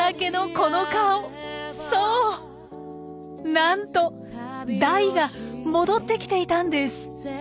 なんとダイが戻ってきていたんです。